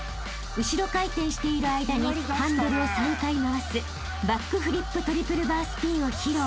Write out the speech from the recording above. ［後ろ回転している間にハンドルを３回回すバックフリップトリプルバースピンを披露］